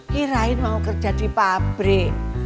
kirain mau kerja di pabrik